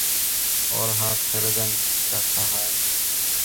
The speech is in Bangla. ওর হাত ছেড়ে দিন, মিস্টার সাহায়!